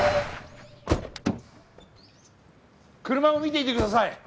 車を見ていてください。